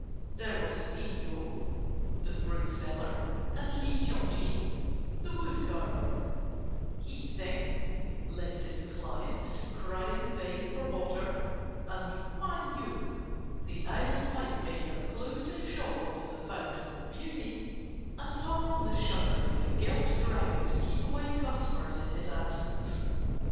There was Sing You the fruit seller, and Li Ton ti the wood carver; Hi Seng left his clients to cry in vain for water; and Wang Yu, the idle pipe maker, closed his shop of "The Fountain of Beauty," and hung on the shutter the gilt dragon to keep away customers in his absence.